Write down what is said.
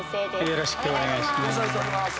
よろしくお願いします。